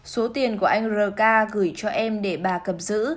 số tiền của anh rk gửi cho em để bà cầm giữ